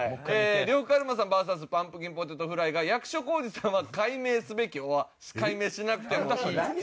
呂布カルマさんＶＳパンプキンポテトフライが役所広司さんは改名すべきｏｒ改名しなくてもいい。何？